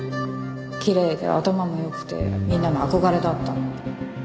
きれいで頭も良くてみんなの憧れだったのに。